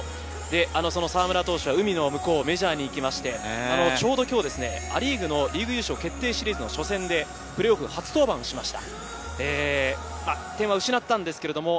澤村投手は海の向こうメジャーに行きまして、ちょうど今日、ア・リーグのリーグ優勝決定シリーズの初戦でプレーオフ初登板しました。